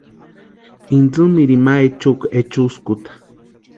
Intsïmirini ma echukwa echuskuta.